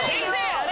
あれ？